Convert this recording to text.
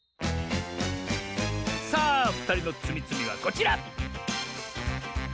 さあふたりのつみつみはこちら！